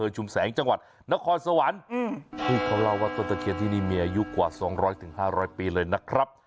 ชุมแสงจังหวัดนครสวรรค์นี่เขาเล่าว่าต้นตะเคียนที่นี่มีอายุกว่า๒๐๐๕๐๐ปีเลยนะครับ